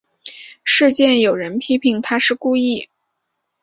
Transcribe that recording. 事件有人批评她是故意。